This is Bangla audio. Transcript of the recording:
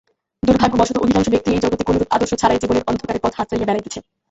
দুর্ভাগ্যবশত অধিকাংশ ব্যক্তি এই জগতে কোনরূপ আদর্শ ছাড়াই জীবনের অন্ধকারে পথ হাতড়াইয়া বেড়াইতেছে।